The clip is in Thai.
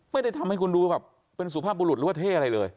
ไม่ได้ทำให้คุณดูแบบเป็นสุภาพบุรุษหรือว่าเท่อะไรเลย